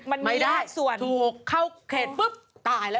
ไม่ได้ถูกเข้าเขตตายแล้ว